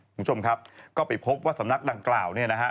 คุณผู้ชมครับก็ไปพบว่าสำนักดังกล่าวเนี่ยนะฮะ